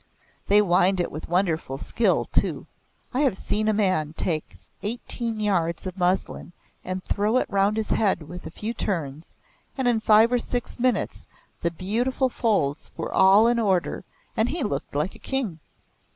They wind it with wonderful skill too. I have seen a man take eighteen yards of muslin and throw it round his head with a few turns, and in five or six minutes the beautiful folds were all in order and he looked like a king.